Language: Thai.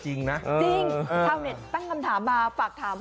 จริงชาวเน็ตตั้งคำถามมาฝากถาม